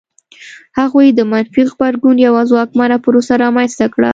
هغوی د منفي غبرګون یوه ځواکمنه پروسه رامنځته کړه.